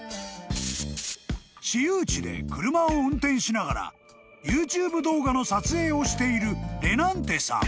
［私有地で車を運転しながらＹｏｕＴｕｂｅ動画の撮影をしているレナンテさん］